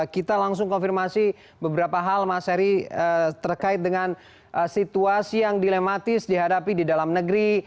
kita langsung konfirmasi beberapa hal mas heri terkait dengan situasi yang dilematis dihadapi di dalam negeri